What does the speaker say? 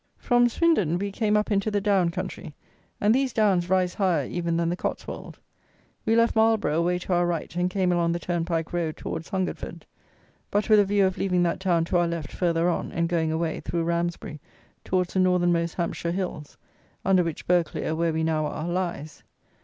From Swindon we came up into the down country; and these downs rise higher even than the Cotswold. We left Marlborough away to our right, and came along the turnpike road towards Hungerford, but with a view of leaving that town to our left, further on, and going away, through Ramsbury, towards the northernmost Hampshire hills, under which Burghclere (where we now are) lies.